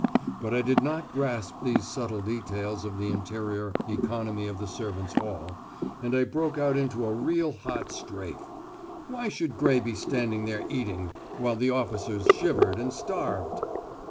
But I did not grasp these subtle details of the interior economy of the servants' hall, and I broke out into a real hot strafe. Why should Gray be standing there eating, while the officers shivered and starved?